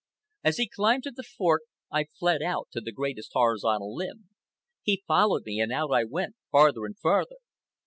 As he climbed to the fork, I fled out the great horizontal limb. He followed me, and out I went, farther and farther.